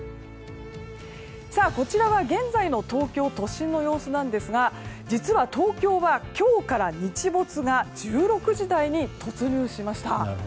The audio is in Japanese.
こちらは現在の東京都心の様子なんですが実は東京は、今日から日没が１６時台に突入しました。